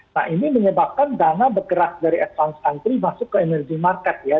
nah ini menyebabkan dana bergerak dari advance country masuk ke energy market ya